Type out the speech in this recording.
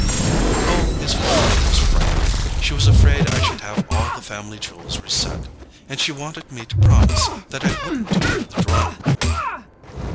"Oh, his mother was frightened—she was afraid I should have all the family jewels reset. And she wanted me to promise that I wouldn't do over the drawing room."